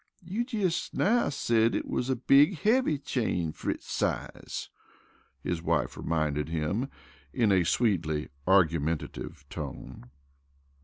"You jes' now said it wus a big, heavy chain fer its size," his wife reminded him in a sweetly argumentative tone.